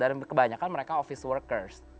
dan kebanyakan mereka office workers